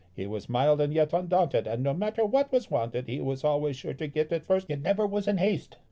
He was mild and yet undaunted, and no matter what was wanted he was always sure to get it first, yet never was in haste.